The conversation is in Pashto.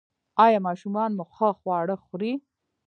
ایا ماشومان مو ښه خواړه خوري؟